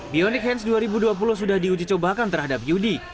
bionic hand dua ribu dua puluh sudah diujicobakan terhadap yudi